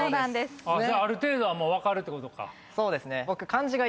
じゃあある程度はもう分かるってことか。